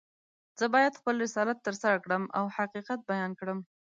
زه باید خپل رسالت ترسره کړم او حقیقت بیان کړم.